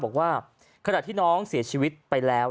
บอกว่าขณะที่น้องเสียชีวิตไปแล้ว